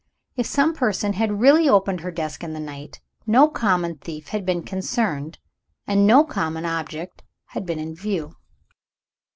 If some person had really opened her desk in the night, no common thief had been concerned, and no common object had been in view.